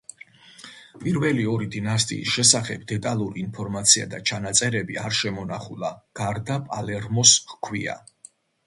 პირველი ორი დინასტიის შესახებ დეტალური ინფორმაცია და ჩანაწერები არ შემონახულა, გარდა პალერმოს ჰქვია.